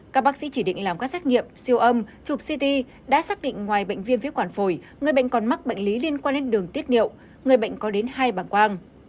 các bác sĩ chỉ định làm các xét nghiệm siêu âm chụp ct đã xác định ngoài bệnh viêm phế quản phổi người bệnh còn mắc bệnh lý liên quan đến đường tiết niệu người bệnh có đến hai bằng quang